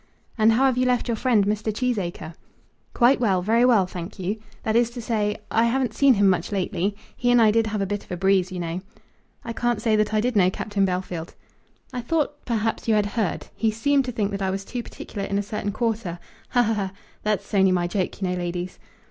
"And how have you left your friend, Mr. Cheesacre?" "Quite well; very well, thank you. That is to say, I haven't seen him much lately. He and I did have a bit of a breeze, you know." "I can't say that I did know, Captain Bellfield." "I thought, perhaps, you had heard. He seemed to think that I was too particular in a certain quarter! Ha ha ha ha! That's only my joke, you know, ladies."